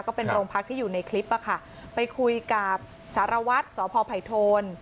ก็เป็นโรงพักที่อยู่ในคลิปอะค่ะไปคุยกับสารวัตรสพไผ่โทน